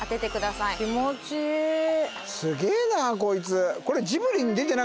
すげえなこいつ。